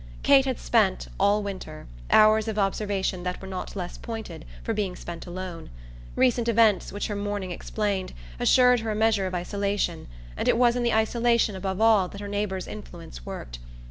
Kate had spent, all winter, hours of observation that were not less pointed for being spent alone; recent events, which her mourning explained, assured her a measure of isolation, and it was in the isolation above all that her neighbour's influence worked.